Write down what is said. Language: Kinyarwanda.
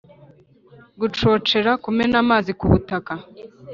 gucocera kumena amazi ku butaka